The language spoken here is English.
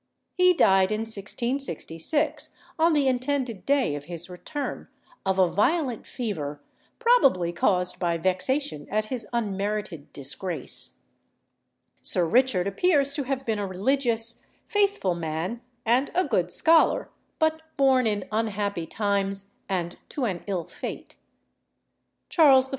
He died in 1666, on the intended day of his return, of a violent fever, probably caused by vexation at his unmerited disgrace. Sir Richard appears to have been a religious, faithful man and a good scholar, but born in unhappy times and to an ill fate. Charles I.